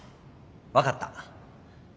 分かった。